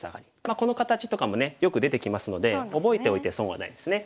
この形とかもねよく出てきますので覚えておいて損はないですね。